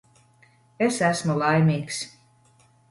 Es esmu laimīgs.